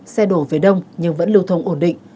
xe đổ về đông nhưng vẫn lưu thông ổn định